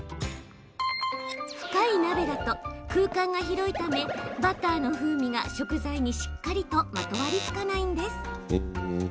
深い鍋だと、空間が広いためバターの風味が食材にしっかりとまとわりつかないんです。